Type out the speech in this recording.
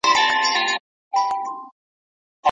که معاصر ځوانان شعوري سي ورانه ټولنه له ستر بحرانه وځي.